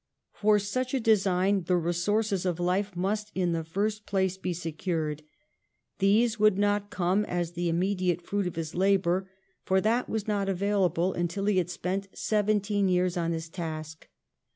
For such a design the resources of life must in the first place be secured ; these would not come as the im mediate fruit of his labour, for that was not avail able until he had spent seventeen years on his task.